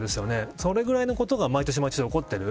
それぐらいのことが毎年起こっている。